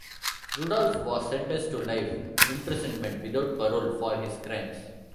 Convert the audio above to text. Rudolph was sentenced to life imprisonment without parole for his crimes.